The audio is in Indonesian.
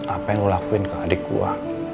apa yang lo lakuin ke adik gue